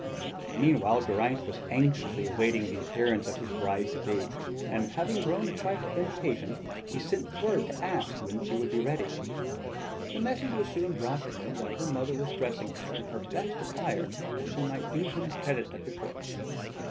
Meanwhile Geraint was anxiously awaiting the appearance of his bride to be; and, having grown a trifle impatient, he sent word to ask when she would be ready. The message was soon brought to him that her mother was dressing her in her best attire that she might do him credit at the court.